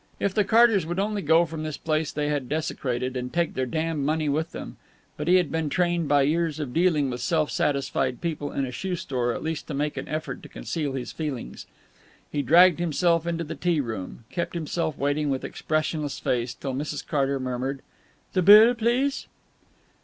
If the Carters would only go from this place they had desecrated, and take their damned money with them! But he had been trained by years of dealing with self satisfied people in a shoe store at least to make an effort to conceal his feelings. He dragged himself into the tea room, kept himself waiting with expressionless face till Mrs. Carter murmured: "The bill, please?"